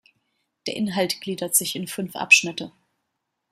Der Inhalt gliedert sich in fünf Abschnitte.